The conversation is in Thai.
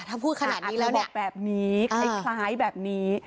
ถ้าพูดขนาดนี้แล้วบอกแบบนี้คล้ายแบบนี้